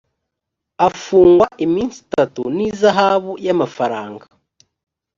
afungwa iminsi itatu n ihazabu y amafaranga